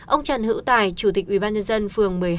ông trần hữu tài chủ tịch ubnd phường một mươi hai